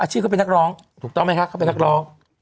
ชื่อเขาเป็นนักร้องถูกต้องไหมคะเขาเป็นนักร้อง